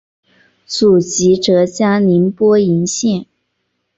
祖籍浙江宁波鄞县。